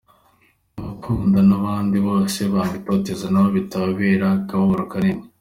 Ababakunda n’abandi bose banga itoteza na bo bibatera akababaro kanini.